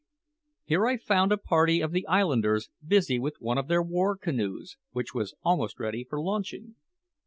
Here I found a party of the islanders busy with one of their war canoes, which was almost ready for launching.